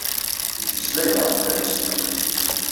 Yettmeslay daɣen tarusit.